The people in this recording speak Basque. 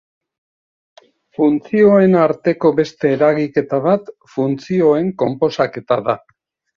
Funtzioen arteko beste eragiketa bat funtzioen konposaketa da.